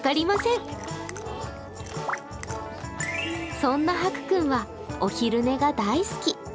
そんなハク君はお昼寝が大好き。